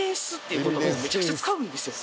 めちゃくちゃ使うんですよ